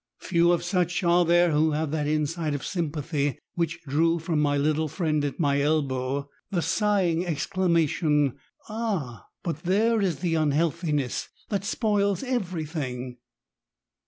Few of such are there who have that insight of sympathy which drew from my little friend at my elbow the sighing exclamation —*' Ah ! but there is the unhealthiness ! that spoils everything